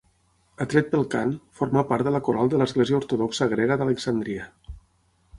Atret pel cant, formà part de la Coral de l'Església ortodoxa grega d'Alexandria.